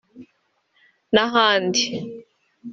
n’ahandi